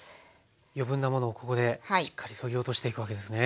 余分なものをここでしっかりそぎ落としていくわけですね。